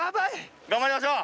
頑張りましょう！